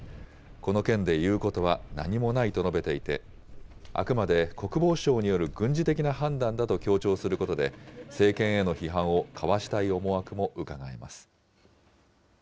この件で言うことは何もないと述べていて、あくまで国防省による軍事的な判断だと強調することで、政権への批判をかわしたい思惑もうかがえます。